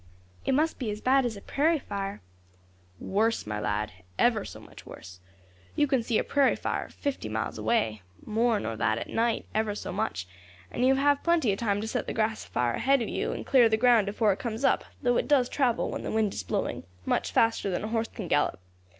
"It must be as bad as a prairie fire." "Worse, my lad; ever so much worse. You can see a prairie fire fifty miles away more nor that at night, ever so much and you have plenty of time to set the grass afire ahead of you, and clear the ground afore it comes up, though it does travel, when the wind is blowing, much faster than a horse can gallop.